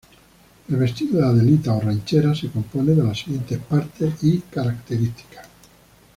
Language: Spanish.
El vestido de Adelita o Ranchera se compone de las siguientes partes y características.